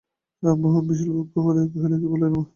রামমোহন বিশাল বক্ষ ফুলাইয়া কহিল, কী বলিলেন মহারাজ?